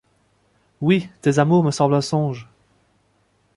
Oui, tes amours me semblent un songe !